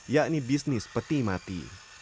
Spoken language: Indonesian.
yakni bisnis peti mati